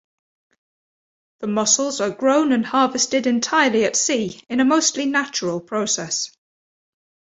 The mussels are grown and harvested entirely at sea in a mostly natural process.